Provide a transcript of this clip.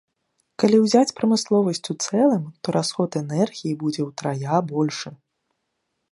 Калі ўзяць прамысловасць у цэлым, то расход энергіі будзе утрая большы.